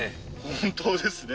本当ですね